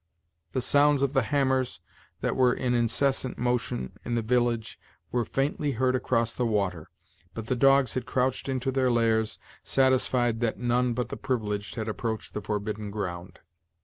The sounds of the hammers, that were in incessant motion in the village, were faintly heard across the water; but the dogs had crouched into their lairs, satisfied that none but the privileged had approached the forbidden ground.